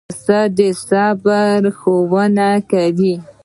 پسه د صبر ښوونه کوي.